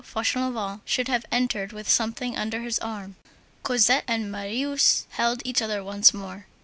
FAUCHELEVENT SHOULD HAVE ENTERED WITH SOMETHING UNDER HIS ARM Cosette and Marius beheld each other once more.